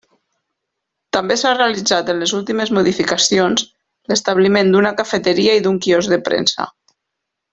També s'ha realitzat en les últimes modificacions, l'establiment d'una cafeteria i d'un quiosc de premsa.